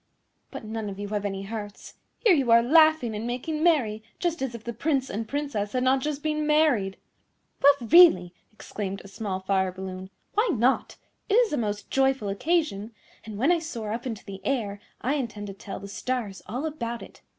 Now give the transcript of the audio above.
But none of you have any hearts. Here you are laughing and making merry just as if the Prince and Princess had not just been married." "Well, really," exclaimed a small Fire balloon, "why not? It is a most joyful occasion, and when I soar up into the air I intend to tell the stars all about it.